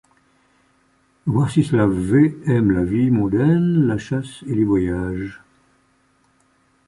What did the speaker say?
Warcisław V aime la vie mondaine, la chasse et les voyages.